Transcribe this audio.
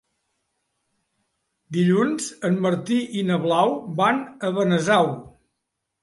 Dilluns en Martí i na Blau van a Benasau.